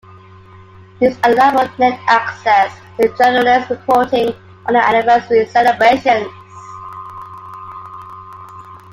This allowed for Net access to journalists reporting on the anniversary celebrations.